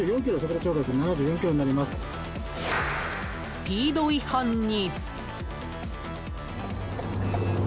スピード違反に。